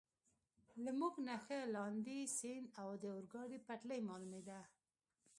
له موږ نه ښه لاندې، سیند او د اورګاډي پټلۍ معلومېده.